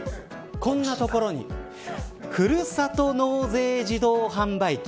あれっ、こんなところにふるさと納税自動販売機。